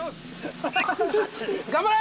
頑張れ！